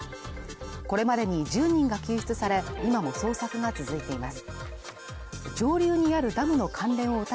これまでに１０人が救出され今も捜索が続いています